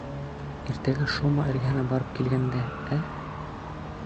Иртәгә Шома эргәһенә барып килгәндә, ә?